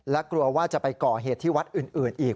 และกลัวว่าจะไปก่อเหตุที่วัดอื่นอีก